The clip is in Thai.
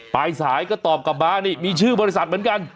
ปลายสายก็ตอบกลับมานี่มีชื่อบริษัทเหมือนกัน